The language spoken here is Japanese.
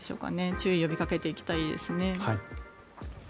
注意を呼びかけていきたいです。